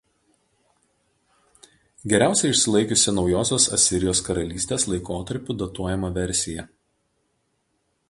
Geriausiai išsilaikiusi Naujosios Asirijos karalystės laikotarpiu datuojama versija.